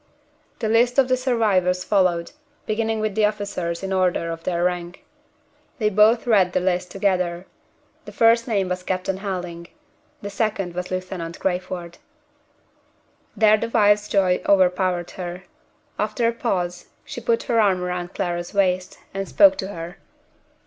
The list of the survivors followed, beginning with the officers in the order of their rank. They both read the list together. The first name was Captain Helding; the second was Lieutenant Crayford. There the wife's joy overpowered her. After a pause, she put her arm around Clara's waist, and spoke to her.